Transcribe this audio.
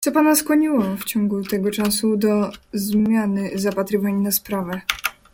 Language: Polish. "Co pana skłoniło w ciągu tego czasu do zmiany zapatrywań na sprawę?"